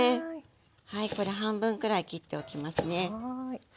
はいこれ半分くらい切っておきますね。